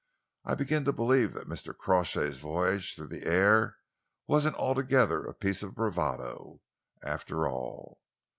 I begin to believe that Mr. Crawshay's voyage through the air wasn't altogether a piece of bravado, after all."